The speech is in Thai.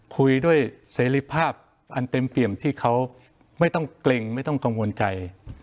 คุยด้วยเสรีภาพอันเต็มเปี่ยมที่เขาไม่ต้องเกร็งไม่ต้องกังวลใจ